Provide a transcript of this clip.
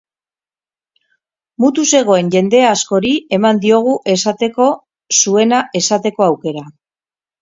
Mutu zegoen jende askori eman diogu esateko zuena esateko aukera.